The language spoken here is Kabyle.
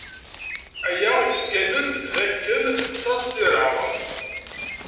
Aya issebgan-d d akken tettaẓ tira.